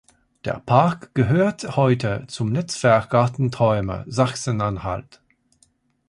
Der Park gehört heute zum Netzwerk Gartenträume Sachsen-Anhalt.